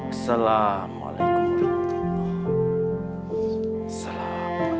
assalamualaikum warahmatullahi wabarakatuh